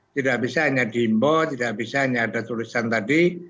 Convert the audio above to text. tidak bisa hanya dimbo tidak bisa hanya ada tulisan tadi